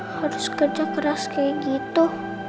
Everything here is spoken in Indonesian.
harus kerja keras kayak gitu